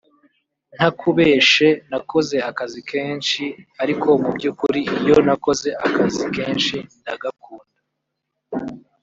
Ntakubeshe nakoze akazi kenshi ariko mu by’ukuri iyo nakoze akazi kenshi ndagakunda